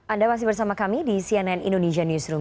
anda masih bersama kami di cnn indonesia newsroom